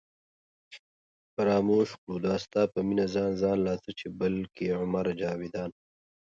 فراموش کړو دا ستا په مینه ځان ځان لا څه چې بلکې عمر جاوېدان